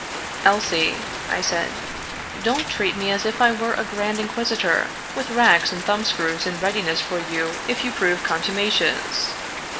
" Elsie," I said, " don't treat me as if I were a grand in quisitor, with racks and thumbscrews in readiness for you if you prove contumacious.